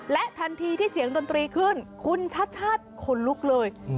และทันทีที่เสียงดนตรีขึ้นคุณชัดชาติขนลุกเลย